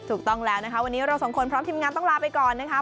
ถูกต้องแล้วนะคะวันนี้เราสองคนพร้อมทีมงานต้องลาไปก่อนนะคะ